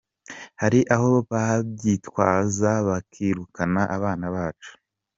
Hari aho babyitwaza bakirukana abana bacu.